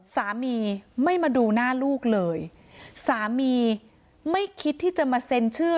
สามีไม่มาดูหน้าลูกเลยสามีไม่คิดที่จะมาเซ็นชื่อ